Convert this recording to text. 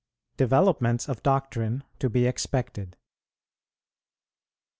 DEVELOPMENTS OF DOCTRINE TO BE EXPECTED.